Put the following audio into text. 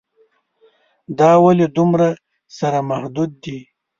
دا ولې دومره سره محدود دي.